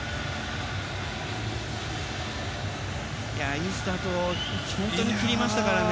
いいスタートを切りましたからね。